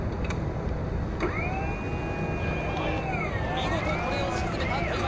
見事これを沈めた小祝。